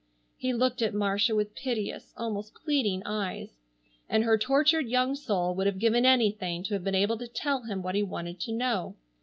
He looked at Marcia with piteous, almost pleading eyes, and her tortured young soul would have given anything to have been able to tell him what he wanted to know.